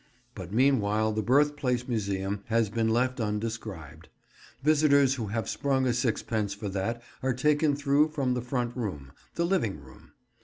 But meanwhile the Birthplace Museum has been left undescribed. Visitors who have sprung a sixpence for that are taken through from the front room, the living room.